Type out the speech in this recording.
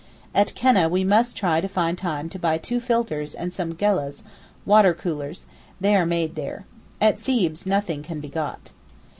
At Keneh we must try to find time to buy two filters and some gullehs (water coolers); they are made there. At Thebes nothing can be got.